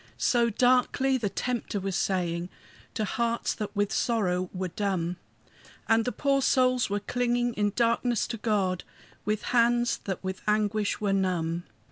So darkly the Tempter was saying, To hearts that with sorrow were dumb; And the poor souls were clinging in darkness to God, With hands that with anguish were numb.